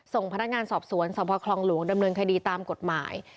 ส่งพนักงานสอบสวนสพคลองหลวงดำเนินคดีตามกฎหมาย